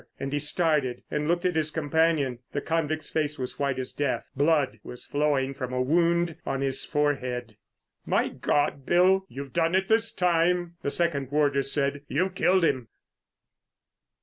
And he started and looked at his companion. The convict's face was white as death; blood was flowing from a wound on his forehead. "My God Bill, you've done it this time!" the second warder said. "You've killed him!"